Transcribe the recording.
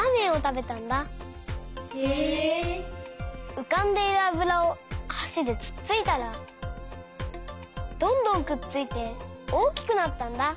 うかんでいるあぶらをはしでつっついたらどんどんくっついておおきくなったんだ。